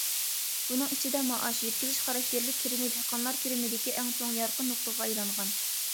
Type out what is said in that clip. بۇنىڭ ئىچىدە مائاش، يۆتكىلىش خاراكتېرلىك كىرىمى دېھقانلار كىرىمىدىكى ئەڭ چوڭ يارقىن نۇقتىغا ئايلانغان.